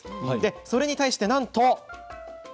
それに対してなんと。